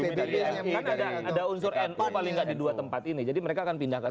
karena ada unsur nu paling gak di dua tempat ini jadi mereka akan pindah ke situ